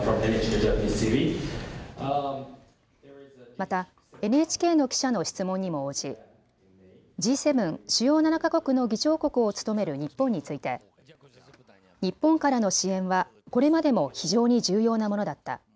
またＮＨＫの記者の質問にも応じＧ７・主要７か国の議長国を務める日本について日本からの支援はこれまでも非常に重要なものだった。